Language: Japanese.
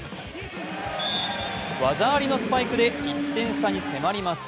技ありのスパイクで１点差に迫ります。